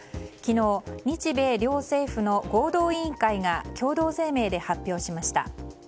昨日、日米両政府の合同委員会が共同声明で発表しました。